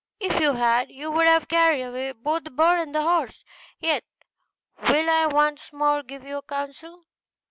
If you had, you would have carried away both the bird and the horse; yet will I once more give you counsel.